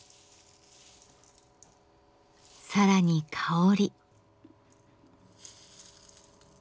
更に香り。